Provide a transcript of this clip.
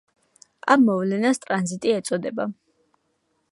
ამ მოვლენას ტრანზიტი ეწოდება.